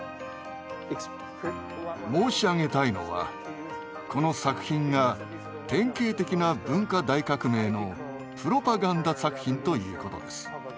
申し上げたいのはこの作品が典型的な文化大革命のプロパガンダ作品ということです。